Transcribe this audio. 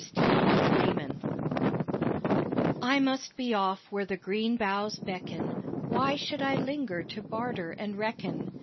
THE CALL I must be off where the green boughs beckon Why should I linger to barter and reckon?